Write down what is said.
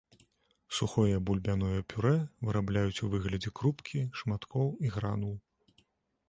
Сухое бульбяное пюрэ вырабляюць у выглядзе крупкі, шматкоў і гранул.